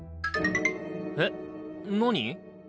えっ何？